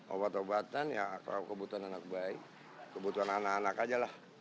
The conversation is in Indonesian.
obat obatan kebutuhan anak baik kebutuhan anak anak saja